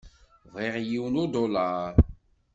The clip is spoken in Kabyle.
Bɣiɣ yiwen udulaṛ.